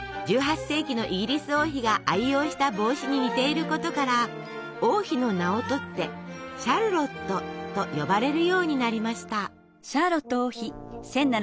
１８世紀のイギリス王妃が愛用した帽子に似ていることから王妃の名をとって「シャルロット」と呼ばれるようになりました。